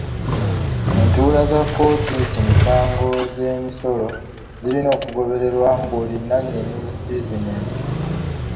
Entuula za kkooti ku misango gy'emisolo girina okugobererwa buli nannyini bizinensi.